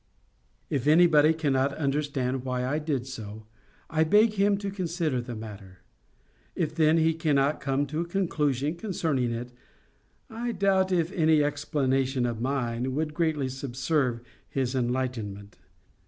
If anybody cannot understand why I did so, I beg him to consider the matter. If then he cannot come to a conclusion concerning it, I doubt if any explanation of mine would greatly subserve his enlightenment.